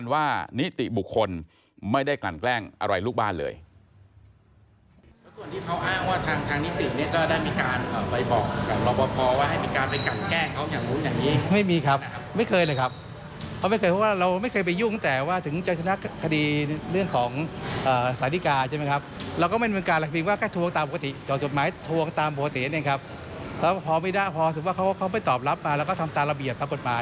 ว่านิติบุคคลไม่ได้กลั่นแกล้งอะไรลูกบ้านเลย